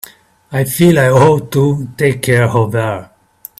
I feel I ought to take care of her.